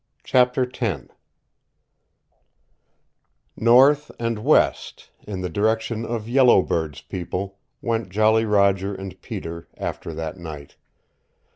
CHAPTER X North and west, in the direction of Yellow Bird's people, went Jolly Roger and Peter after that night.